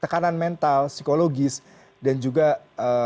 tekanan mental psikologis dan juga ee